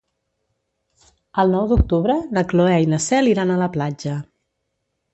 El nou d'octubre na Cloè i na Cel iran a la platja.